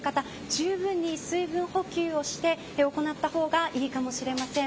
じゅうぶんに水分補給をして行った方がいいかもしれません。